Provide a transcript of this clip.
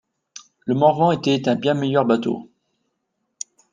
Le Morvran était un bien meilleur bateau.